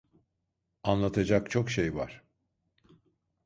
Anlatacak çok şey var.